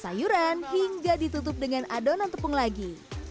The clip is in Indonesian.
sayuran hingga ditutup dengan adonan tepung lagi